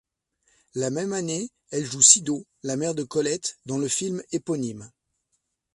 La même année, elle joue Sido, la mère de Colette dans le film éponyme.